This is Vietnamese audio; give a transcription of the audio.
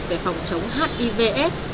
về phòng chống hiv s